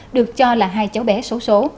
được cho là hai cháu bé số số